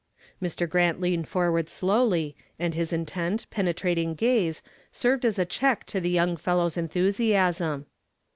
Mr. Grant leaned forward slowly and his intent, penetrating gaze served as a check to the young fellow's enthusiasm.